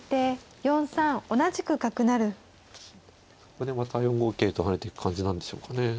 ここでまた４五桂と跳ねてく感じなんでしょうかね。